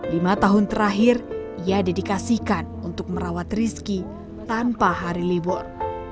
lima tahun terakhir ia dedikasikan untuk merawat rizki tanpa hari libur